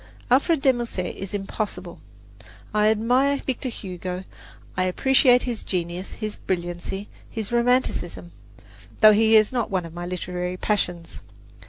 Alfred de Musset is impossible! I admire Victor Hugo I appreciate his genius, his brilliancy, his romanticism; though he is not one of my literary passions.